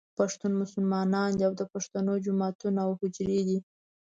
پښتون مسلمان دی او د پښتنو جوماتونه او حجرې دي.